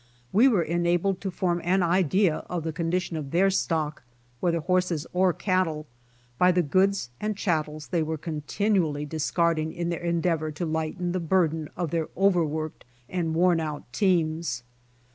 We were enabled to form an idea of the condition of their stock, whether horses or cattle, by the goods and chattels they were continually discarding in their endeavor to lighten the burden of their overworked and worn out teams.